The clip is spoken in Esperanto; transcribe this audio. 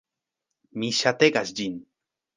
Mi ŝategas ĝin!